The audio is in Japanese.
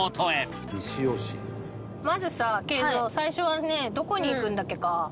まずさ敬蔵最初はねどこに行くんだっけか？